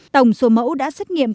tổng số mẫu đã xét nghiệm